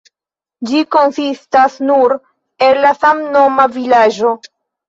Ĝi konsistas nur el la samnoma vilaĝo.